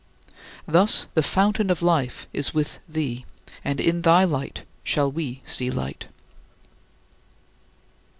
Thus the fountain of life is with thee, and "in thy light shall we see light."